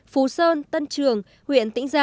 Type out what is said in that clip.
phú sơn tân trường huyện tĩnh gia